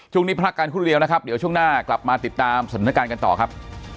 ช่วงนี้พักกันครู่เดียวนะครับเดี๋ยวช่วงหน้ากลับมาติดตามสถานการณ์กันต่อครับ